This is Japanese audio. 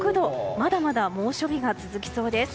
まだまだ猛暑日が続きそうです。